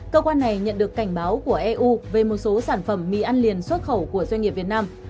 cơ quan này nhận được cảnh báo của eu về một số sản phẩm mì ăn liền xuất khẩu của doanh nghiệp việt nam